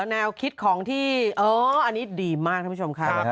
แนวคิดของที่อ๋ออฮอันนี้ดีมากคนผู้ชมค่ะ